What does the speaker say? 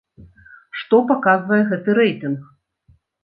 Што паказвае гэты рэйтынг?